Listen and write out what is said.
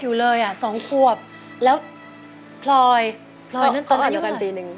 อยู่เลยน่ะสองควบแล้วพลอยพออนตกกันปีหนึ่ง